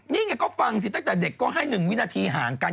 นี่ไงก็ฟังสิตั้งแต่เด็กก็ให้๑วินาทีห่างกัน